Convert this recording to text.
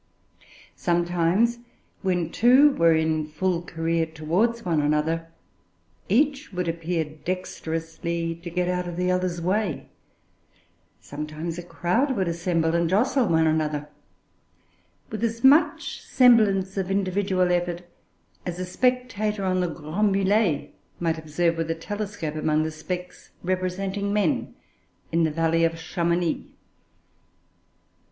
Sometimes, when two were in full career towards one another, each would appear dexterously to get out of the other's way; sometimes a crowd would assemble and jostle one another, with as much semblance of individual effort as a spectator on the Grands Mulets might observe with a telescope among the specks representing men in the valley of Chamounix.